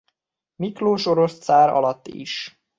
Miklós orosz cár alatt is.